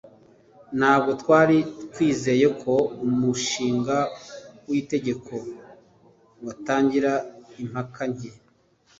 ntabwo twari twiteze ko umushinga w'itegeko watangira impaka nke